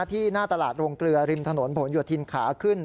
ที่หน้าตลาดโรงเกลือริมถนนผลโยธินขาขึ้น